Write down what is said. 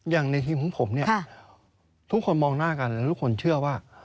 อย่างในทีมของผมเนี่ยทุกคนมองหน้ากันทุกคนเชื่อว่า